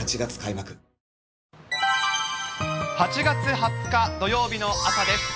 ８月２０日土曜日の朝です。